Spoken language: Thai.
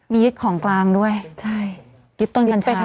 มียึดของกลางด้วยใช่ยึดต้นกัญชายึดไปทั้งต้น